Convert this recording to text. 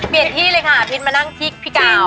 เปลี่ยนที่เลยค่ะพิชมานั่งที่พี่กล้าว